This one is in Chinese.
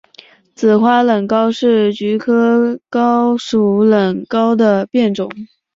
紫花冷蒿是菊科蒿属冷蒿的变种。